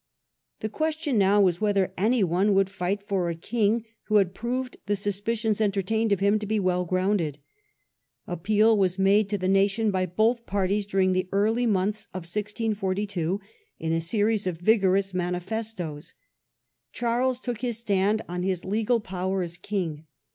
The question now was whether any one would fight for a king who had proved the suspicions entertained of Appeals to him to be well grounded. Appeal was made the nation. to the nation by both parties during the early months of 1642 in a series of vigorous manifestos. Charles took his stand on his legal power as king.